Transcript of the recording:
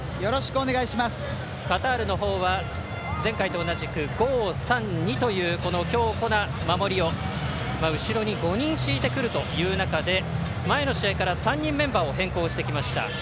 カタールのほうは前回と同じく５‐３‐２という強固な守りを後ろに５人敷いてくるという中で前の試合から３人メンバーを変更してきました。